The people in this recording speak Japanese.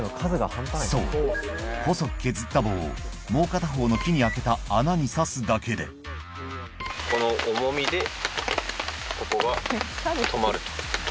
そう細く削った棒をもう片方の木に開けた穴に差すだけでこの重みでここが止まると。